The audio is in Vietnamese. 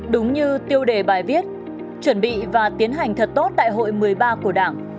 đúng như tiêu đề bài viết chuẩn bị và tiến hành thật tốt đại hội một mươi ba của đảng